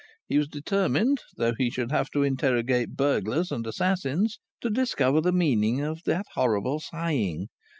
He was determined, though he should have to interrogate burglars and assassins, to discover the meaning of that horrible sighing.